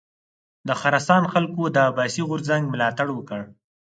د خراسان خلکو د عباسي غورځنګ ملاتړ وکړ.